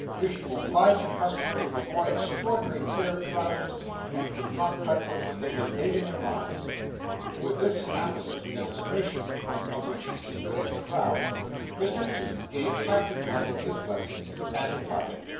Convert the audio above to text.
wished to oblige a customer with a most extraordinary pair of trousers, and could not cut out what they had in their minds." With this apposite illustration, of which he seemed a little Proud, Mr Toots gave Captain Cuttle his blessing and departed.